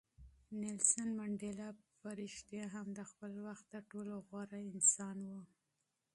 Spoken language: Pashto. منډېلا په رښتیا هم د خپل وخت تر ټولو غوره انسان و.